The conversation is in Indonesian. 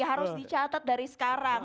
harus dicatat dari sekarang